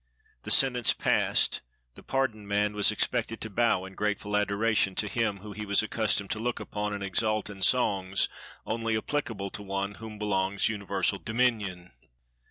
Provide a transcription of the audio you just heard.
The sentence passed, the pardoned man was expected to bow in grateful adoration to him whom he was ac customed to look upon and exalt in songs only applica ble to One to whom belongs universal dominion.